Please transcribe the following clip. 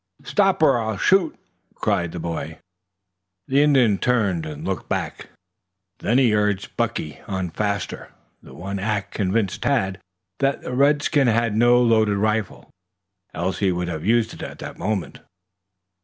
"Stop or I'll shoot!" cried the boy. The Indian turned and looked back. Then he urged Buckey on faster. That one act convinced Tad that the redskin had no loaded rifle, else he would have used it at that moment.